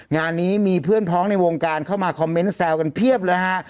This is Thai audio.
งานนี้มีเพื่อนพร้อมในวงการเข้ามาแซวกันเพียบเลยฮะ